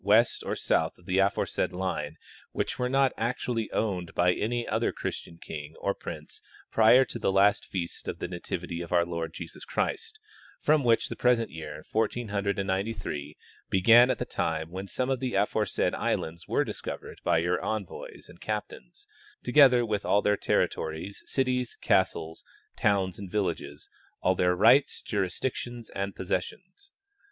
225 west or south of the aforesaid hne which were not actuall}^ owned by any other Christian king or prince prior to the last feast of the nativity of our Lord Jesu^ Christ, from which the present 3'ear, fourteen hundred and ninety three, began, at the time when some of the aforesaid islands were discovered by your envoys and captains, together with all their territories, cities, castles, towns and villages, all their rights, jurisdictions and possessions.